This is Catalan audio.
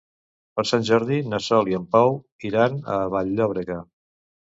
Per Sant Jordi na Sol i en Pau iran a Vall-llobrega.